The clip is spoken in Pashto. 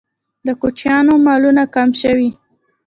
د کوچیانو مالونه کم شوي؟